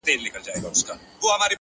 د عمل دوام بریا نږدې کوي